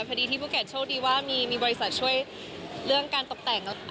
พอดีที่ภูเก็ตโชคดีว่ามีบริษัทช่วยเรื่องการตกแต่ง